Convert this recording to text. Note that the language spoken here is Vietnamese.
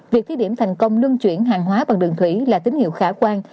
việc thí điểm thành công luân chuyển hàng hóa bằng đường thủy là tín hiệu khả quan